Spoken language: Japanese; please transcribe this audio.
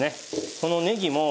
このねぎも。